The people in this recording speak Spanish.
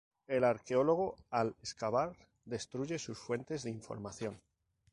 El arqueólogo, al excavar, destruye sus fuentes de información.